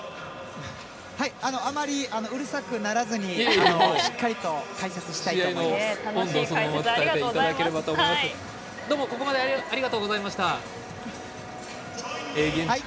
あまりうるさくならずにしっかりと解説したいと思います。